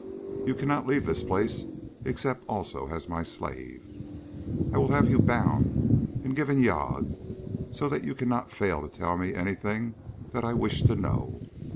You cannot leave this place except also as my slave. I will have you bound and given yagué so that you cannot fail to tell me anything that I wish to know.